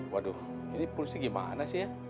waduh ini polusi gimana sih ya